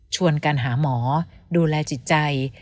ชวนกันหาหมอดูแลจิตใจ